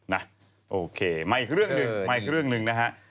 ไม่อีกคือเรื่องหนึ่งนะครับ